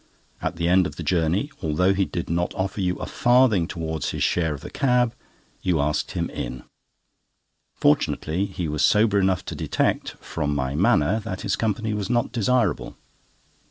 At the end of the journey, although he did not offer you a farthing towards his share of the cab, you asked him in. Fortunately, he was sober enough to detect, from my manner, that his company was not desirable."